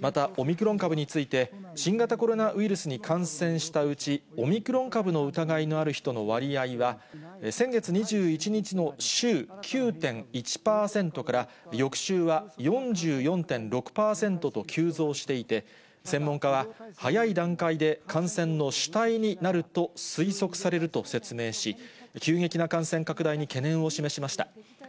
また、オミクロン株について、新型コロナウイルスに感染したうち、オミクロン株の疑いのある人の割合は、先月２１日の週９．１％から、翌週は４４．６％と急増していて、専門家は、早い段階で感染の主体になると推測されると説明し、急激な感染拡大に懸念を示しました。